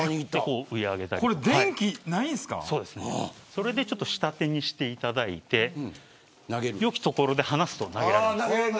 それで下手にしていただいてよきところで離すと投げられます。